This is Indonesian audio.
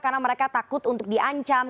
karena mereka takut untuk diancam